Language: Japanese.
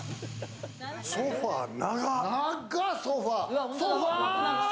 ソファ、長っ！